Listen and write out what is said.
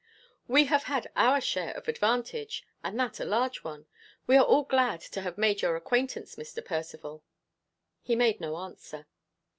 "We have had our share of advantage, and that a large one. We are all glad to have made your acquaintance, Mr. Percivale." He made no answer.